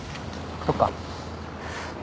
そっか。